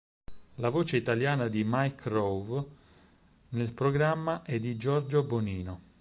La voce italiana di Mike Rowe nel programma è di Giorgio Bonino.